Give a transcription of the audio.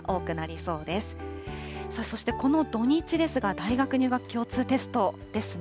そしてこの土日ですが、大学入学共通テストですね。